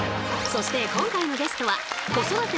そして今回のゲストは子育て真っ最中！